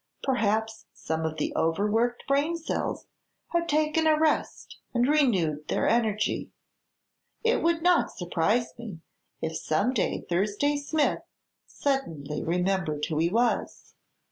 Perhaps some of the overworked brain cells had taken a rest and renewed their energy. It would not surprise me if some day Thursday Smith suddenly remembered who he was."